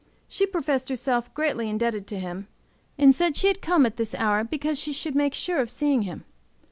She professed herself greatly indebted to him, and said she had come at this hour because she should make sure of seeing him.